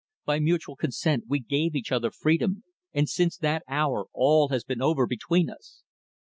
By mutual consent we gave each other freedom, and since that hour all has been over between us."